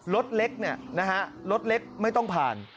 รถเล็กเนี่ยนะฮะรถเล็กไม่ต้องผ่าน